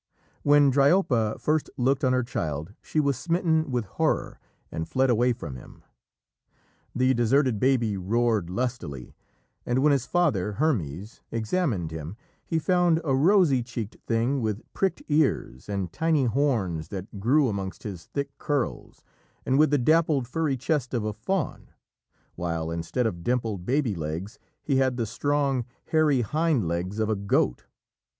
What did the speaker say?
When Dryope first looked on her child, she was smitten with horror, and fled away from him. The deserted baby roared lustily, and when his father, Hermes, examined him he found a rosy cheeked thing with prick ears and tiny horns that grew amongst his thick curls, and with the dappled furry chest of a faun, while instead of dimpled baby legs he had the strong, hairy hind legs of a goat.